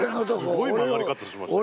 すごい曲がり方しました。